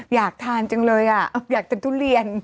อยากทานจังเลยอยากกินทุเรียน